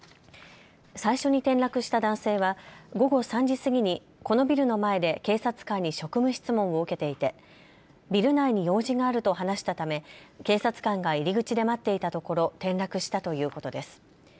最初に転落した男性は午後３時過ぎにこのビルの前で警察官に職務質問を受けていてビル内に用事があると話したため警察官が入り口で待っていたところ転落したということです。